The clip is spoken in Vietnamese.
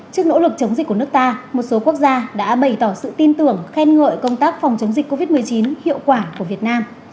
trước nỗ lực chống dịch của nước ta một số quốc gia đã bày tỏ sự tin tưởng khen ngợi công tác phòng chống dịch covid một mươi chín hiệu quả của việt nam